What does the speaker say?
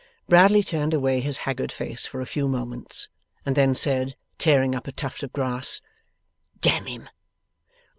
Bradley turned away his haggard face for a few moments, and then said, tearing up a tuft of grass: 'Damn him!